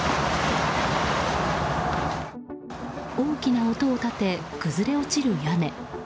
大きな音を立て、崩れ落ちる屋根。